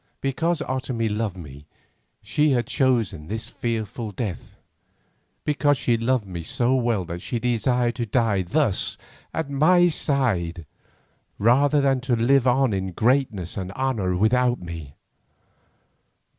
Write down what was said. Because Otomie loved me she had chosen this fearful death, because she loved me so well that she desired to die thus at my side rather than to live on in greatness and honour without me.